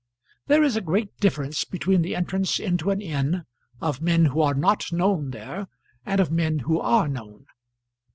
There is a great difference between the entrance into an inn of men who are not known there and of men who are known.